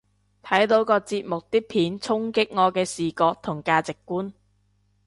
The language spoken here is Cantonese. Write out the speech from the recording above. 睇到個節目啲片衝擊我嘅視覺同價值觀